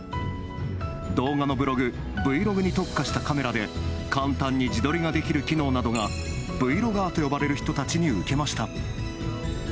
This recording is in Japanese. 動画のブログＶｌｏｇに特化したカメラで簡単に自撮りができる機能などがブイロガーと呼ばれる人たちに受けました。